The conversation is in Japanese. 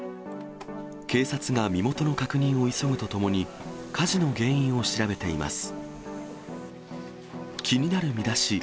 警察が身元の確認を急ぐとともに、火事の原因を調べています。